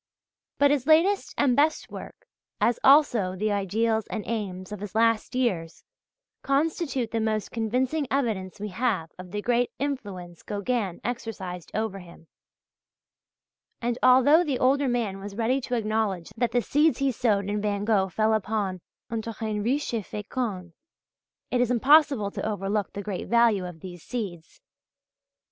But his latest and best work, as also the ideals and aims of his last years constitute the most convincing evidence we have of the great influence Gauguin exercised over him, and although the older man was ready to acknowledge that the seeds he sowed in Van Gogh fell upon "un terrain riche et fécond," it is impossible to overlook the great value of these seeds.